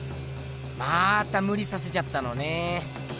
またむりさせちゃったのね。